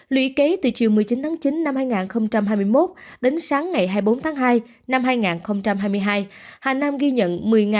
lũy kế từ chiều một mươi chín tháng chín năm hai nghìn hai mươi một đến sáng ngày hai mươi bốn tháng hai năm hai nghìn hai mươi hai hà nam ghi nhận